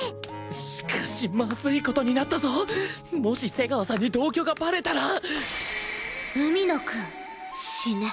しかしまずい事になったぞもし瀬川さんに同居がバレたら海野くん死ね。